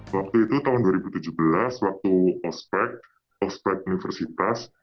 waktu itu tahun dua ribu tujuh belas waktu ospec ospek universitas